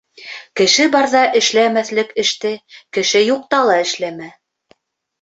Кеше барҙа эшләмәҫлек эште, кеше юҡта ла эшләмә.